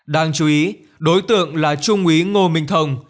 đáng chú ý đối tượng là trung úy ngô minh thông